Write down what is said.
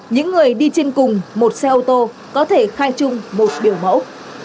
những người đi trên cùng một xe ô tô có thể khai trung một biểu mẫu